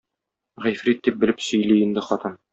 Гыйфрит дип белеп сөйли инде хатын.